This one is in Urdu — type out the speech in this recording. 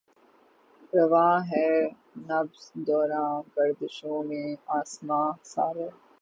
رواں ہے نبض دوراں گردشوں میں آسماں سارے